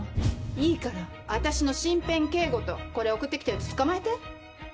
いいから私の身辺警護とこれ送ってきたやつ捕まえて。